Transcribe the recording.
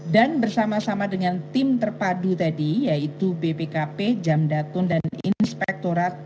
dan bersama sama dengan tim terpadu tadi yaitu bpkp jamdatun dan inspektorat